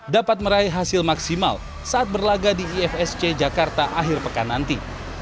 dapat meraih hasil maksimal saat berlaga di ifsc jakarta akhir pekan nanti